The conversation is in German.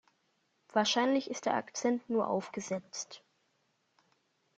Wahrscheinlich ist der Akzent nur aufgesetzt.